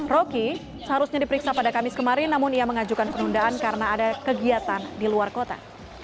roky seharusnya diperiksa pada kamis kemarin namun ia mengajukan penundaan karena ada kegiatan di luar kota